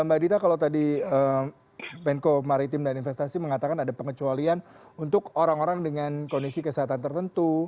mbak dita kalau tadi menko maritim dan investasi mengatakan ada pengecualian untuk orang orang dengan kondisi kesehatan tertentu